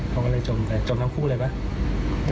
เขาก็เลยจมไปจมทั้งคู่เลยป่ะ